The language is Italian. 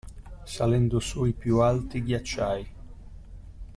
Salendo su i più alti ghiacciai.